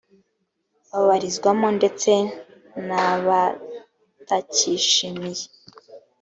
babarizwamo ndetse n abatacyishimiye